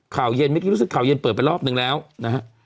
ข่าวเย็นเมื่อกี้รู้สึกข่าวเย็นเปิดไปรอบนึงแล้วนะฮะ